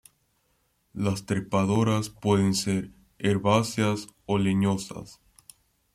Las trepadoras pueden ser herbáceas o leñosas.